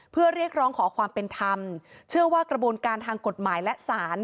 เพื่อเรียกร้องขอความเป็นธรรมเชื่อว่ากระบวนการทางกฎหมายและศาล